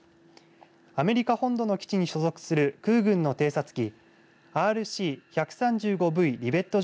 アメリカ本土の基地に所属する空軍の偵察機ＲＣ１３５Ｖ